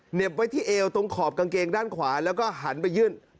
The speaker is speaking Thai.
เห็บไว้ที่เอวตรงขอบกางเกงด้านขวาแล้วก็หันไปยื่น